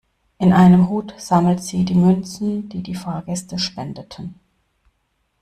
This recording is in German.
In einem Hut sammelten Sie die Münzen, die die Fahrgäste spendeten.